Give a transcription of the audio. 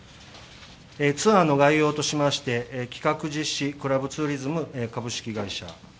ツアーの概要としまして企画実施、クラブツーリズム株式会社。